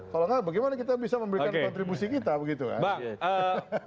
kalau enggak bagaimana kita bisa memberikan kontribusi kita begitu kan